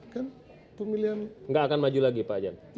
kan pemilihan nggak akan maju lagi pak jan